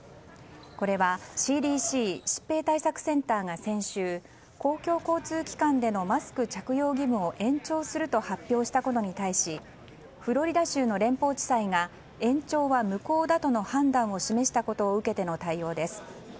これはＣＤＣ・疾病対策センターが先週公共交通機関でのマスク着用義務を延長すると発表したことに対しフロリダ州の連邦地裁が延長は無効だとの判断を示したことを受けての対応です。